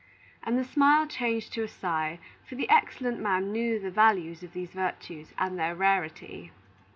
And the smile changed to a sigh, for the excellent man knew the value of these virtues, and their rarity.